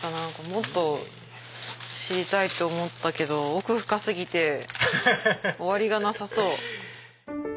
もっと知りたいと思ったけど奥深過ぎて終わりがなさそう。